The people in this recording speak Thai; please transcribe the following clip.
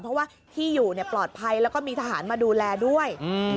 เพราะว่าที่อยู่ปลอดภัยแล้วก็มีทหารมาดูแลด้วย